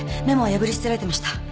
メモは破り捨てられてました。